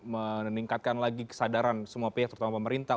meningkatkan lagi kesadaran semua pihak terutama pemerintah